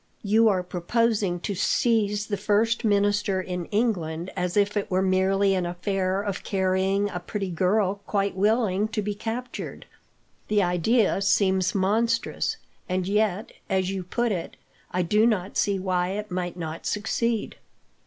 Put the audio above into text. "You are proposing to seize the first minister in England, as if it were merely an affair of carrying off a pretty girl quite willing to be captured. The idea seems monstrous, and yet, as you put it, I do not see why it might not succeed."